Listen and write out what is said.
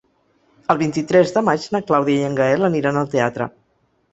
El vint-i-tres de maig na Clàudia i en Gaël aniran al teatre.